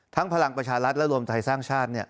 พลังประชารัฐและรวมไทยสร้างชาติ